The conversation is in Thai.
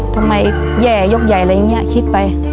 ทำไมแย่ยกใหญ่อะไรอย่างนี้คิดไป